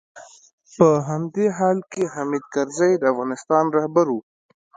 په همدې حال کې حامد کرزی د افغانستان رهبر و.